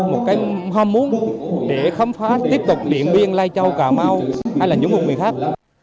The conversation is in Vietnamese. một cái ham muốn để khám phá tiếp tục điện biên lai châu cà mau hay là những vùng miền khác